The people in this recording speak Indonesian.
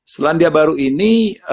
selandia baru ini